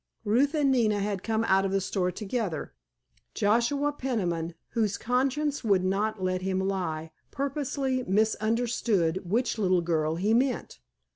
Ruth and Nina had come out of the store together. Joshua Peniman, whose conscience would not let him lie, purposely misunderstood which little girl he meant.